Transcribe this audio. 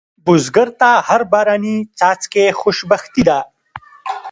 بزګر ته هر باراني څاڅکی خوشبختي ده